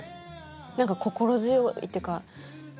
何か心強いっていうかうん。